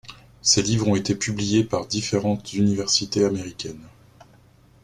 Ces livres ont été publiés par différentes universités américaines.